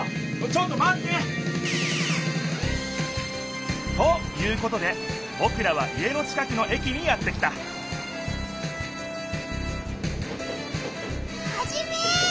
ちょっとまって！ということでぼくらは家の近くの駅にやって来たハジメ！